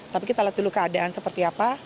tapi kita lihat dulu keadaan seperti apa